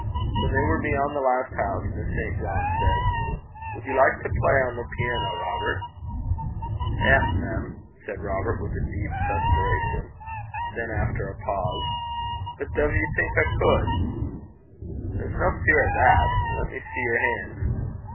When they were beyond the last house, Miss St. John said, 'Would you like to play on the piano, Robert?' 'Eh, mem!' said Robert, with a deep suspiration. Then, after a pause: 'But duv ye think I cud?' 'There's no fear of that. Let me see your hands.'